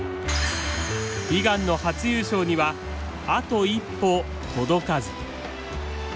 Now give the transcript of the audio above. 悲願の初優勝にはあと一歩届かず。